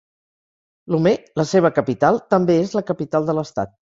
Lomé, la seva capital, també és la capital de l'estat.